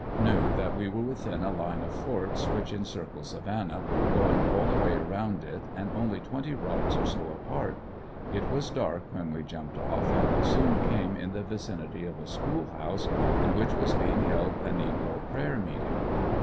Knew that we were within a line of forts which encircle Savannah, going all the way around it and only twenty rods or so apart: It was dark when we jumped off, and we soon came in the vicinity of a school house in which was being held a negro prayer meeting.